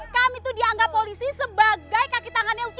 kami itu dianggap polisi sebagai kaki tangannya